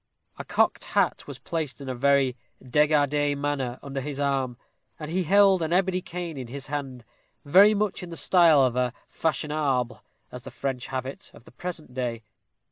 A cocked hat was placed in a very dégagée manner under his arm, and he held an ebony cane in his hand, very much in the style of a "fassionable," as the French have it, of the present day.